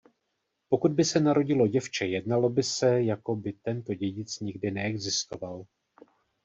Pokud by se narodilo děvče jednalo by se jako by tento dědic nikdy neexistoval.